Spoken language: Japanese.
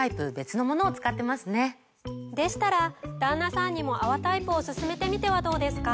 でしたら旦那さんにも泡タイプを薦めてみてはどうですか？